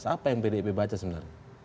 apa yang pdip baca sebenarnya